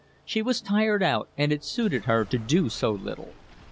She was tired out, and it suited her to do so little.